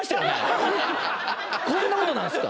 こんなことなるんすか？